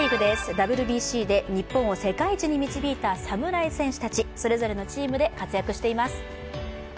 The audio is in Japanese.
ＷＢＣで日本を世界一に導いた侍戦士たち、それぞれのチームで活躍しています。